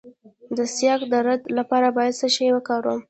د سیاتیک درد لپاره باید څه شی وکاروم؟